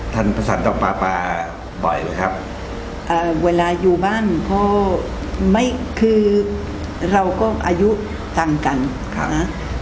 ครับเวลาอยู่บ้านเราก็อายุต่างกัน